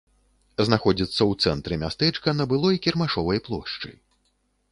Знаходзіцца ў цэнтры мястэчка, на былой кірмашовай плошчы.